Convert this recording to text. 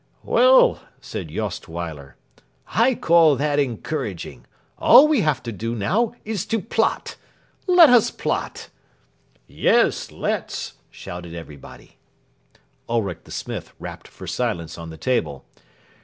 "Well," said Jost Weiler, "I call that encouraging. All we have to do now is to plot. Let us plot." "Yes, let's!" shouted everybody. Ulric the smith rapped for silence on the table.